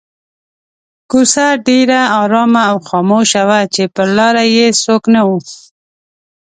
کوڅه ډېره آرامه او خاموشه وه چې پر لاره یې څوک نه وو.